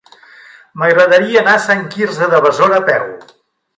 M'agradaria anar a Sant Quirze de Besora a peu.